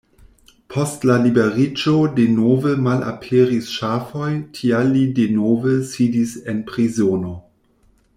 Post la liberiĝo denove malaperis ŝafoj, tial li denove sidis en prizono.